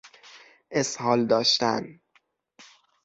اسهال داشتن